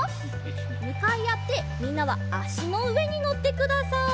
むかいあってみんなはあしのうえにのってください。